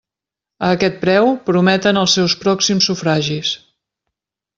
A aquest preu, prometen els seus pròxims sufragis.